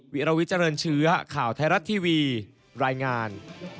วิรวิเจริญเชื้อข่าวไทยรัฐทีวีรายงาน